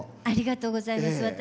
ありがとうございます。